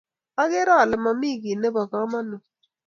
Agere ale mami kit nebo kamanut